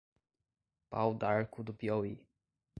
Pau d'Arco do Piauí